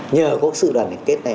nhờ có sự đoàn hình kết này